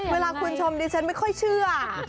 เวลาคุณชมดิฉันไม่ค่อยเชื่อ